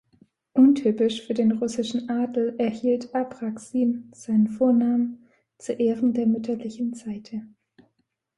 Untypisch für den russischen Adel erhielt Apraxin seinen Vornamen zu Ehren der mütterlichen Seite.